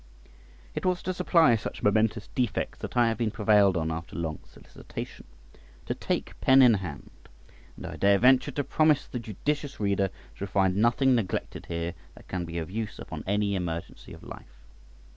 It was to supply such momentous defects that I have been prevailed on, after long solicitation, to take pen in hand, and I dare venture to promise the judicious reader shall find nothing neglected here that can be of use upon any emergency of life.